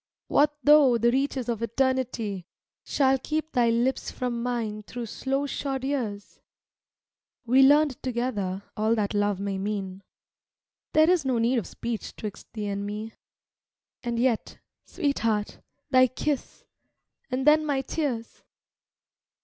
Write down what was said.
What though the reaches of Eternity Shall keep thy lips from mine through slow shod years ? We learned together all that love may mean; There is no need of speech 'twixt thee and me; And yet — Sweetheart! Thy kiss — and then my tears